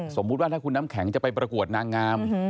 สมมุติว่าถ้าคุณน้ำแข็งจะไปประกวดนางงาม